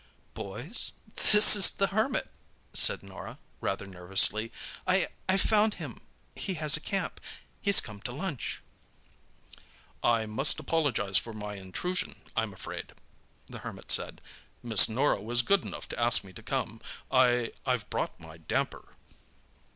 "Boys, this is The Hermit," said Norah, rather nervously. "I—I found him. He has a camp. He's come to lunch." "I must apologize for my intrusion, I'm afraid," the Hermit said. "Miss Norah was good enough to ask me to come. I—I've brought my damper!"